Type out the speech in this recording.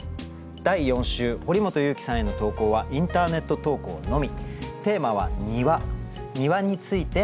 第４週堀本裕樹さんへの投稿はインターネット投稿のみ。